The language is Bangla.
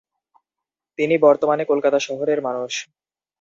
তিনি বর্তমানে কলকাতা শহরের মানুষ।